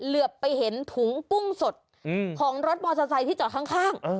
เหลือไปเห็นถุงกุ้งสดของรถมอเตอร์ไซค์ที่จอดข้าง